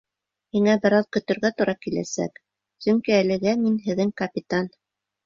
Һиңә бер аҙ көтөргә тура киләсәк, сөнки әлегә мин һеҙҙең капитан.